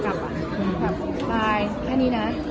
แบบใจแค่นี้นะ